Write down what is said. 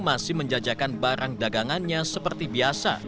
masih menjajakan barang dagangannya seperti biasa